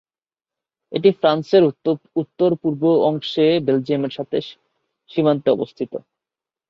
এটি ফ্রান্সের উত্তর-পূর্ব অংশে বেলজিয়ামের সাথে সীমান্তে অবস্থিত।